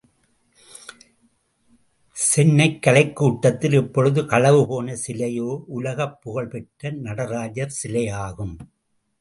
சென்னைக் கலைக்கூடத்தில் இப்பொழுது களவு போன சிலையோ, உலகப்புகழ் பெற்ற நடராஜர் சிலையாகும்.